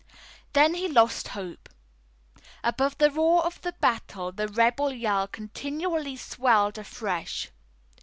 Then he lost hope. Above the roar of the battle the rebel yell continually swelled afresh.